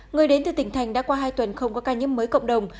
người đến từ tỉnh thành đã qua hai tuần không có ca nhiễm mới cộng đồng